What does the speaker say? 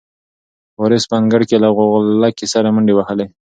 وارث په انګړ کې له غولکې سره منډې وهلې.